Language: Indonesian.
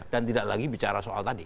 dan tidak lagi bicara soal tadi